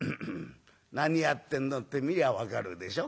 「何やってんのって見りゃ分かるでしょ？